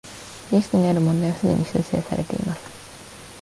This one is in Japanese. リストにある問題はすでに修正されています